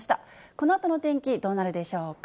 このあとの天気、どうなるでしょうか。